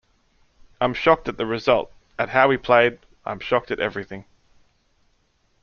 I'm shocked at the result, at how we played, I'm shocked at everything.